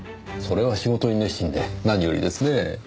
それは仕事に熱心で何よりですねぇ。